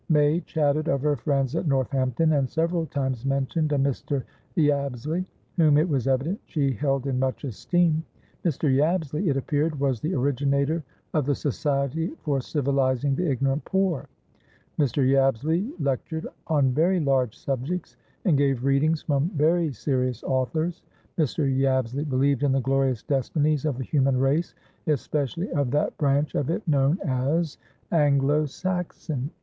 May chatted of her friends at Northampton, and several times mentioned a Mr. Yabsley, whom it was evident she held in much esteem. Mr. Yabsley, it appeared, was the originator of the society for civilising the ignorant poor; Mr. Yabsley lectured on very large subjects, and gave readings from very serious authors; Mr. Yabsley believed in the glorious destinies of the human race, especially of that branch of it known as Anglo Saxon.